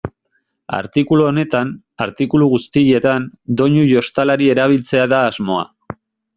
Artikulu honetan, artikulu guztietan, doinu jostalari erabiltzea da asmoa.